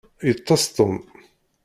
Yeṭṭes Tom.